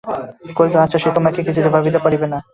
কহিল, আচ্ছা, সে তোমাকে কিছুই ভাবিতে হইবে না।